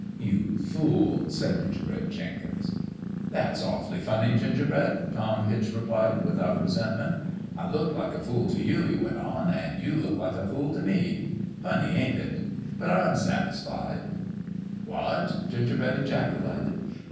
" Ye fool !" said Gingerbread Jenkins. "That's awful funny, Gingerbread," Tom Hitch replied, without resentment. " I look like a fool t' you," he went on, " an' you look like a fool t' me. Funny, ain't it ? But Pm satisfied." " What ?" Gingerbread ejaculated.